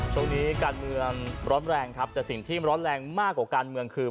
ช่วงนี้การเมืองร้อนแรงครับแต่สิ่งที่ร้อนแรงมากกว่าการเมืองคือ